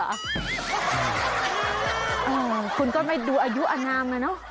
เออคุณก็ไม่ดูอายุอนามอะเนอะ